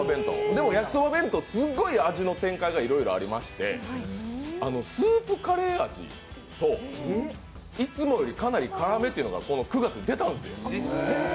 でもやきそば弁当、すごい味の展開がいろいろありましてスープカレー味といつもよりかなり辛めっていうのがこの９月に出たんですよ